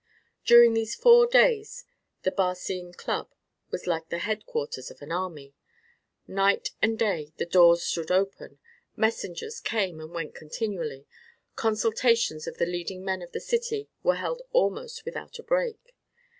During these four days the Barcine Club was like the headquarters of an army. Night and day the doors stood open, messengers came and went continually, consultations of the leading men of the city were held almost without a break.